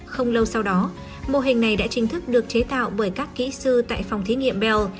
không lâu sau đó mô hình này đã chính thức được chế tạo bởi các kỹ sư tại phòng thí nghiệm bell